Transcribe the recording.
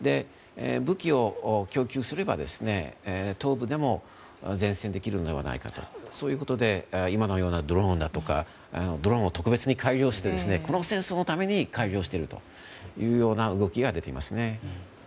武器を供給すれば東部でも善戦できるのではないかとそういうことで今のようなドローンだとかそのドローンも特別にこの戦争のために改良しているというような動きが出ていますね。